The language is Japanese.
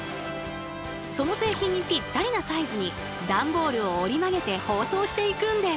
その製品にぴったりなサイズに段ボールを折り曲げて包装していくんです。